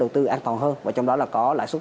đầu tư an toàn hơn và trong đó là có lãi suất